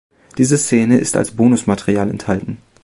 Diese Szene ist als Bonusmaterial enthalten.